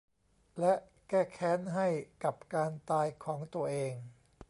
และแก้แค้นให้กับการตายของตัวเอง